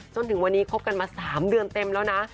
จนถึงวันนี้คบกันมา๓เดือนเต็มแล้วนะ